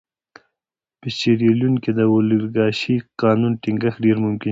په سیریلیون کې د اولیګارشۍ قانون ټینګښت ډېر ممکن شوی و.